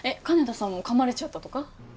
金田さんも噛まれちゃったとか？